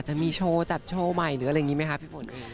จะมีโชว์จัดโชว์ใหม่หรืออะไรอย่างนี้ไหมคะพี่ฝนเอง